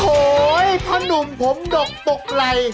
โอ้โหพ่อหนุ่มผมดกตกไหล่